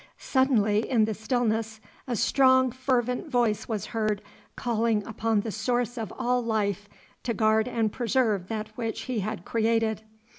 Suddenly, in the stillness, a strong fervent voice was heard calling upon the source of all life to guard and preserve that which He had created.